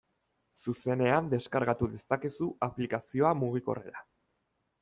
Zuzenean deskargatu dezakezu aplikazioa mugikorrera.